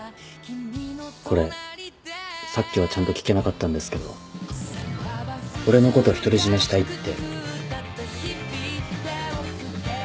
これさっきはちゃんと聞けなかったんですけど俺のこと独り占めしたいって。